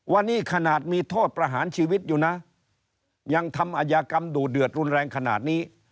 ว่านี่ขนาดมีโทษประหารชีวิตอยู่นะยังทำอายากรรมดูเดือดรุนแรงขนาดนี้